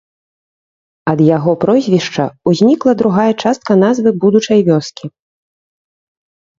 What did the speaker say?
Ад яго прозвішча ўзнікла другая частка назвы будучай вёскі.